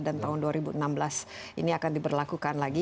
dan tahun dua ribu enam belas ini akan diberlakukan lagi